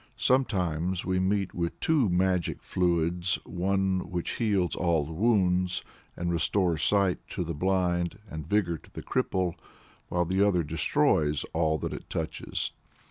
Sometimes we meet with two magic fluids, one of which heals all wounds, and restores sight to the blind and vigor to the cripple, while the other destroys all that it touches.